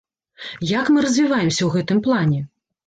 Як мы развіваемся ў гэтым плане?